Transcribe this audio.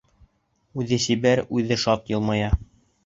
Үҙе сибәр, үҙе шат йылмая.